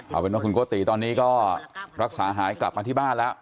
เอาเป็นว่าคุณโกติตอนนี้ก็รักษาหายกลับมาที่บ้านแล้ว